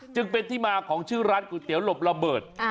จึงเป็นที่มาของชื่อร้านก๋วยเตี๋ยวหลบระเบิด